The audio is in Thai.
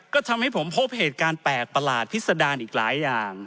ก็ทำให้ผมพบเหตุการณ์แปลกประหลาดพิษดารอีกหลายอย่าง